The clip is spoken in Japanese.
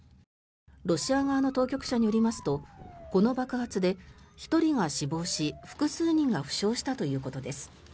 ロシア側の当局者によりますとこの爆発で１人が死亡し複数人が負傷したということです。